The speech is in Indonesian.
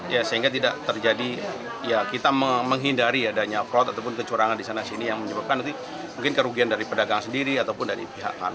ya sehingga tidak terjadi ya kita menghindari adanya fraud ataupun kecurangan di sana sini yang menyebabkan nanti mungkin kerugian dari pedagang sendiri ataupun dari pihak